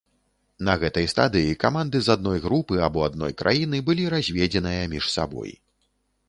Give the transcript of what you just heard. На гэтай стадыі каманды з адной групы або адной краіны былі разведзеныя між сабой.